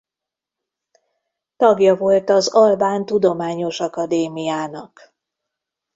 Tagja volt az Albán Tudományos Akadémiának.